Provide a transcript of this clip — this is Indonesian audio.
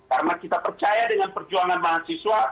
karena kita percaya dengan perjuangan mahasiswa